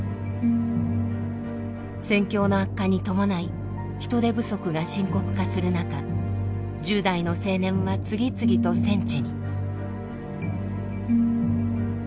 戦況の悪化に伴い人手不足が深刻化する中１０代の青年は次々と戦地に。